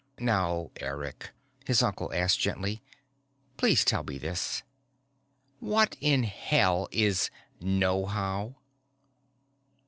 _" "Now, Eric," his uncle asked gently. "Please tell me this. What in hell is knowhow?"